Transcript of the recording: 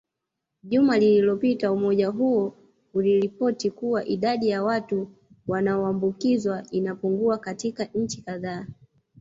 Juma lilopita umoja huo uliripoti kuwa idadi ya watu wanaoambukizwa inapungua katika nchi kadhaa